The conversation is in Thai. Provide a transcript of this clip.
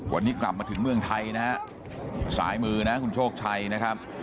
วันนี้กลับมาถึงเมืองไทยนะฮะสายมือนะคุณโชคชัยนะครับ